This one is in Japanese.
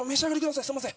すいません。